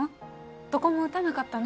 どこも打たなかったの？